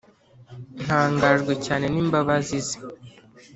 Ntangajwe cyane n'imbabazi ze: